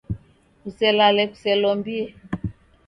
Kuselale kuselombie.